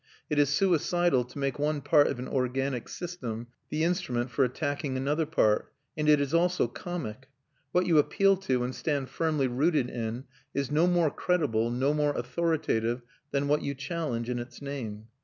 It is suicidal to make one part of an organic system the instrument for attacking another part; and it is also comic. What you appeal to and stand firmly rooted in is no more credible, no more authoritative, than what you challenge in its name.